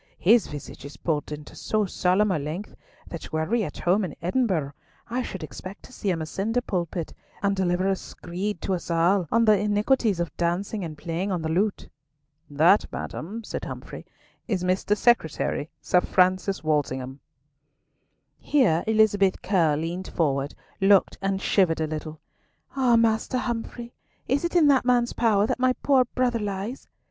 His visage is pulled into so solemn a length that were we at home in Edinburgh, I should expect to see him ascend a pulpit, and deliver a screed to us all on the iniquities of dancing and playing on the lute!" "That, madam," said Humfrey, "is Mr. Secretary, Sir Francis Walsingham." Here Elizabeth Curll leant forward, looked, and shivered a little. "Ah, Master Humfrey, is it in that man's power that my poor brother lies?"